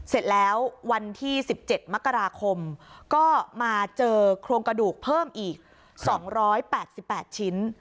เสร็จแล้ววันที่๑๗มกราคมก็มาเจอโครงกระดูกเพิ่มอีก๒๘๘ชิ้น